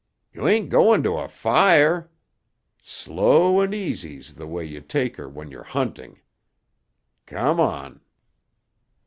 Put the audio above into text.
"You ain't going to a fire. Slow and easy's the way you take her when you're hunting. Come on."